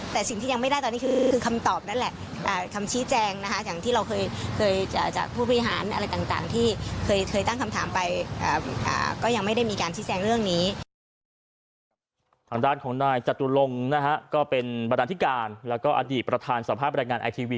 แต่สิ่งที่ยังไม่ได้ตอนนี้คือคำตอบนั้นแหละคำชี้แจง